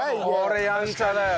これやんちゃだよ。